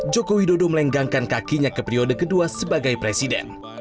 jokowi dodo melenggangkan kakinya ke periode kedua sebagai presiden